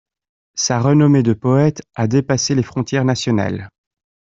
Sa renommée de poète a dépassé les frontières nationales.